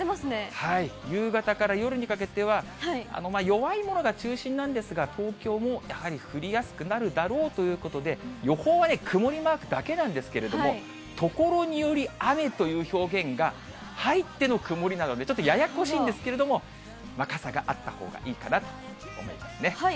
夕方から夜にかけては、弱いものが中心なんですが、東京もやはり降りやすくなるだろうということで、予報は曇りマークだけなんですけれども、ところにより雨という表現が入っての曇りなので、ちょっとややこしいんですけれども、傘があったほうがいいかなと思いますね。